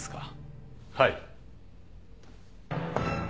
はい。